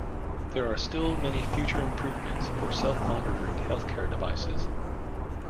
There are still many future improvements for self-monitoring healthcare devices.